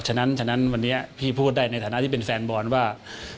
ฉะนั้นฉะนั้นวันนี้พี่พูดได้ในฐานะที่เป็นแฟนบอลว่า